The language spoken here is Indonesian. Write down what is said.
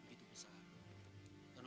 kejang dan kasar